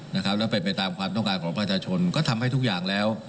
แล้วเป็นไปตามความต้องการของประชาชนก็ทำให้ทุกอย่างแล้ว